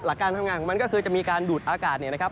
การทำงานของมันก็คือจะมีการดูดอากาศเนี่ยนะครับ